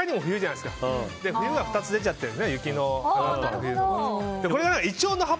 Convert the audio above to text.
冬が２つ出ちゃってる。